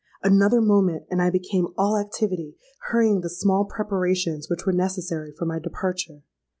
Another moment, and I became all activity—hurrying the small preparations which were necessary for my departure.